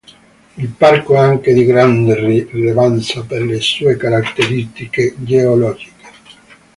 Il parco è anche di grande rilevanza per le sue caratteristiche geologiche.